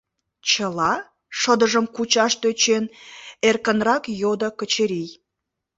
— Чыла? — шыдыжым кучаш тӧчен, эркынрак йодо Качырий.